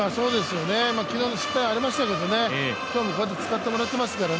昨日の失敗ありましたけど、今日もこうやって使ってもらってますから